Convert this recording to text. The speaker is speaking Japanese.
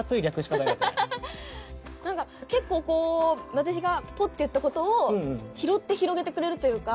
なんか結構私がポッて言った事を拾って広げてくれるというか。